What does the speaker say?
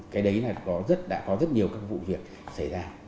cái đấy là đã có rất nhiều các vụ việc xảy ra